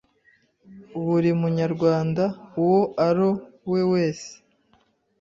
buri munyarwanda uwo aro we wese